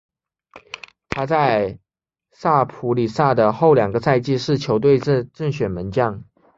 他在萨普里萨的后两个赛季是球队的正选门将。